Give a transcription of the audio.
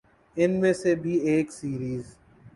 ان میں سے بھی ایک سیریز